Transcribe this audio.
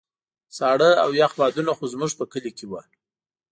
ساړه او يخ بادونه خو زموږ په کلي کې وو.